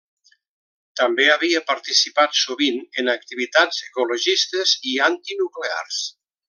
També havia participat sovint en activitats ecologistes i antinuclears.